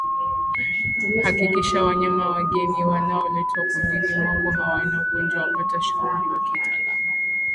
Hakikisha wanyama wageni wanaoletwa kundini mwako hawana ugonjwa pata ushauri wa kitaalamu